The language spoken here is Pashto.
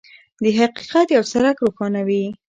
د حقیقت یو څرک روښانوي.